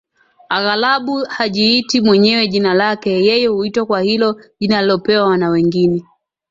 aghalabu hajiiti mwenyewe jina lake yeye huitwa kwa hilo jina alilopewa na wengine